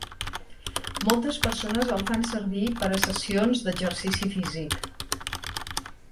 Moltes persones el fan servir per a sessions d'exercici físic.